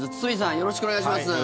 よろしくお願いします。